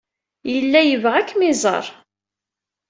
Yella yebɣa ad kem-iẓer.